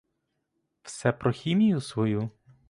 Все про хімію свою?